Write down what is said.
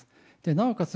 なおかつ